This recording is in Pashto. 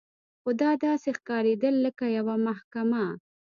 خو دا داسې ښکارېدل لکه یوه محکمه.